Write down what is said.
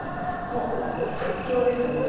もう発狂ですよね